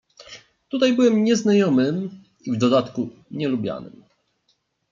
"Tutaj byłem nieznajomym i w dodatku nielubianym."